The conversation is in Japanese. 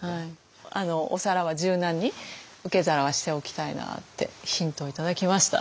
お皿は柔軟に受け皿はしておきたいなってヒントを頂きました。